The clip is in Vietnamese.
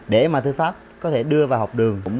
để mà thư pháp có thể đưa vào học đường